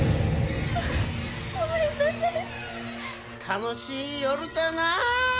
楽しい夜だな！